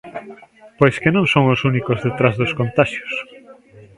Pois que non son os únicos detrás dos contaxios.